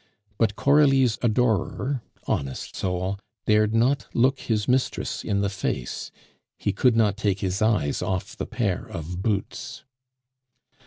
But Coralie's adorer, honest soul, dared not look his mistress in the face; he could not take his eyes off the pair of boots.